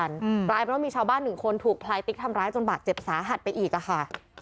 กลายเป็นว่ามีชาวบ้านหนึ่งคนถูกพลายติ๊กทำร้ายจนบาดเจ็บสาหัสไปอีกอ่ะค่ะ